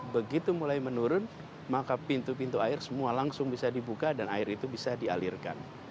begitu mulai menurun maka pintu pintu air semua langsung bisa dibuka dan air itu bisa dialirkan